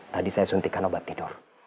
tadi saya suntikan obat tidur